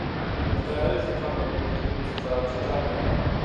د طیارې سفر له نورو ټولو څخه چټک دی.